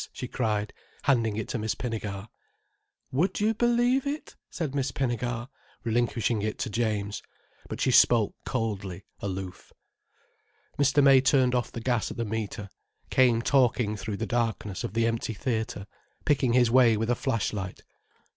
she cried, handing it to Miss Pinnegar. "Would you believe it?" said Miss Pinnegar, relinquishing it to James. But she spoke coldly, aloof. Mr. May turned off the gas at the meter, came talking through the darkness of the empty theatre, picking his way with a flash light.